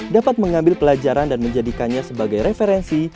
dapat mengambil pelajaran dan menjadikannya sebagai referensi